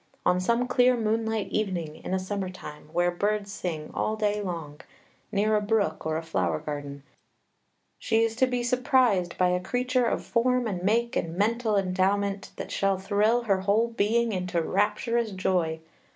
On some clear moonlight evening, in a summer time, where birds sing all day long, near a brook or flower garden, she is to be surprised by a creature of form and make and mental endowment that shall thrill her whole being into rapturous joy.